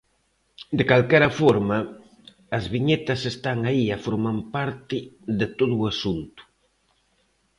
De calquera forma, as viñetas están aí e forman parte de todo o asunto.